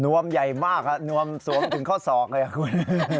นวมใหญ่มากค่ะนวมสวมถึงข้อ๒เลยค่ะคุณ